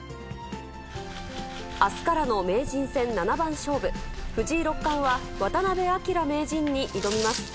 あすからの名人戦七番勝負、藤井六冠は、渡辺明名人に挑みます。